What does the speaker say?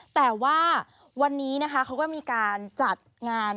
แต่ว่าวันนี้นะคะเขาก็มีการจัดงาน